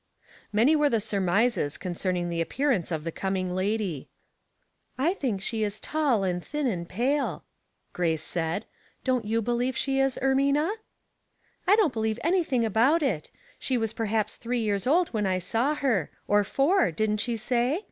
Many were the surmises concerning the ap pearance of the coming lady. " I think she is tall and thin and pale," Grace said. "Don't you believe she is, Ermina?'' "I don't believe anything about it. She was perhaps three years old when I saw her ; or four, didn't she say